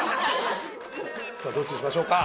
さあどっちにしましょうか？